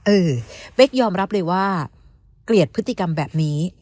เออเป๊กยอมรับเลยว่าเกลียดพฤติกรรมแบบนี้